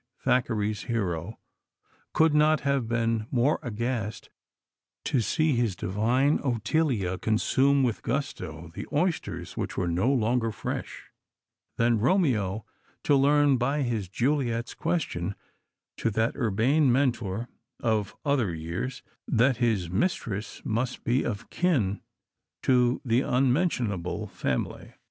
Thackeray's hero could not have been more aghast to see his divine Ottilia consume with gusto the oysters which were no longer fresh than Romeo to learn by his Juliet's question to that urbane mentor of other years that his mistress must be of kin to the unmentionable family.